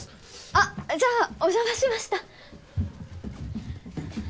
あっじゃあお邪魔しました。